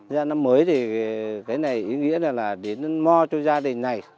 ra năm mới thì cái này ý nghĩa là đến mo cho gia đình này